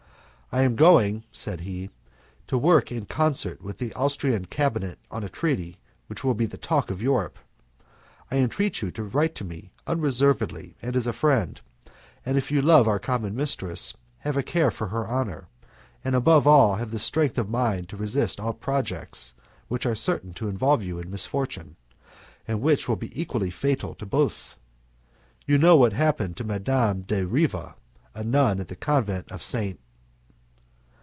"I am going," said he, "to work in concert with the Austrian cabinet on a treaty which will be the talk of Europe. I entreat you to write to me unreservedly, and as a friend, and if you love our common mistress, have a care for her honour, and above all have the strength of mind to resist all projects which are certain to involve you in misfortune, and which will be equally fatal to both. You know what happened to Madame de Riva, a nun in the convent of St.